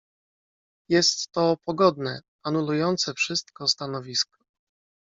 "Jest to pogodne, anulujące wszystko, stanowisko."